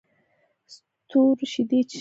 ستورو شیدې چښلې